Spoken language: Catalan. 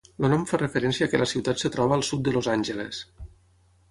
El nom fa referència a que la ciutat es troba al sud de Los Angeles.